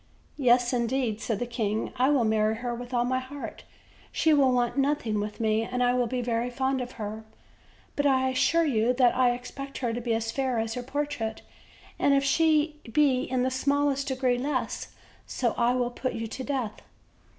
"Yes, indeed," said the king, "I will marry her with all my heart; she will want nothing with me, and I will be very fond of her; but I assure you that I expect her to be as fair as her portrait, and if she be in the smallest degree less so I will put you to death."